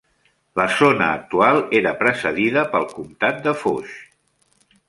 La zona actual era precedida pel Comptat de Foix.